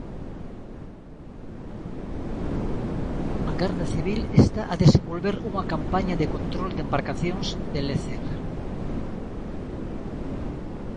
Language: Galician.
A Garda Civil está a desenvolver unha campaña de control de embarcacións de lecer.